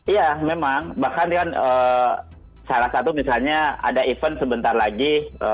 iya memang bahkan kan salah satu misalnya ada event sebentar lagi